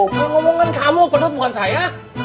kalau ngomongan kamu pendut bukan saya